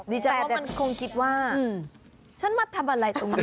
แต่ว่ามันคงคิดว่าฉันมาทำอะไรตรงนี้